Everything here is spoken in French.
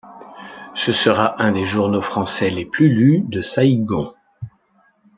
Ce sera un des journaux français les plus lus de Saïgon.